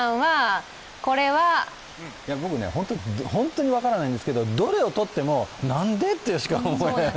僕は本当に分からないんですけどどれをとっても「なんで？」としか思えない。